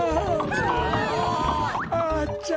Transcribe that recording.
あちゃ！